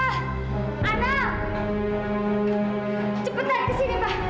cepetan kesini pak